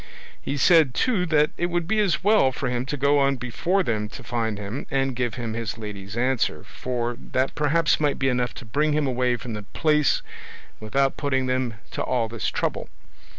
He said, too, that it would be as well for him to go on before them to find him, and give him his lady's answer; for that perhaps might be enough to bring him away from the place without putting them to all this trouble.